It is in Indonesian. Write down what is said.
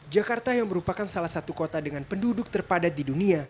jakarta yang merupakan salah satu kota dengan penduduk terpadat di dunia